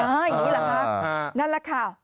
อย่างนี้เหรอคะนั่นแหละค่ะ